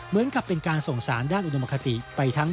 เหมือนกับเป็นการส่งสารด้านอุดมคติไปทั้ง